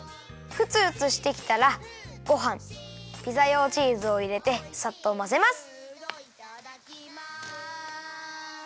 ふつふつしてきたらごはんピザ用チーズをいれてさっとまぜます。